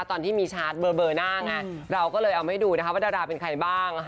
ตอนที่มีชาร์จเบอร์หน้าไงเราก็เลยเอาให้ดูนะคะว่าดาราเป็นใครบ้าง